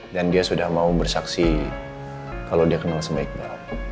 dan dia sudah mau bersaksi kalau dia kenal sebaiknya